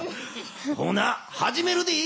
ほなはじめるで。